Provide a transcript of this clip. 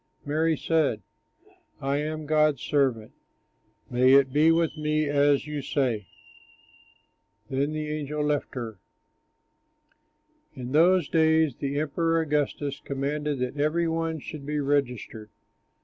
Mary said: "I am God's servant. May it be with me as you say." Then the angel left her. In those days the Emperor Augustus commanded that every one should be registered.